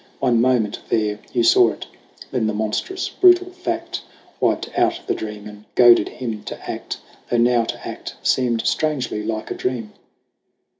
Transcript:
One moment there Hugh saw it. Then the monstrous brutal fact Wiped out the dream and goaded him to act, Though now to act seemed strangely like a dream.